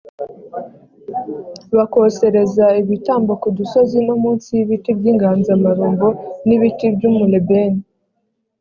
bakosereza ibitambo ku dusozi no munsi y ibiti by inganzamarumbo n ibiti by umulebeni